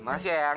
makasih ya yang